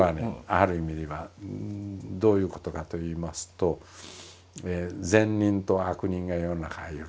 ある意味ではどういうことかといいますと善人と悪人が世の中いると。